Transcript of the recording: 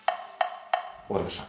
わかりました